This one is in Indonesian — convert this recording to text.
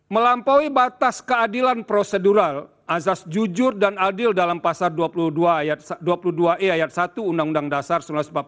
melampaui batas keadilan prosedural azas jujur dan adil dalam pasar dua puluh dua e ayat satu undang undang dasar seribu sembilan ratus empat puluh lima